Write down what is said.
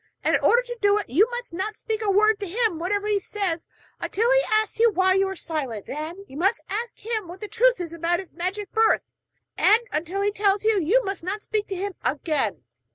And in order to do it, you must not speak a word to him whatever he says until he asks you why you are silent; then you must ask him what the truth is about his magic birth; and until he tells you, you must not speak to him again.'